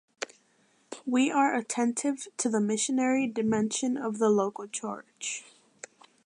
We are attentive to the missionary dimension of the local Church.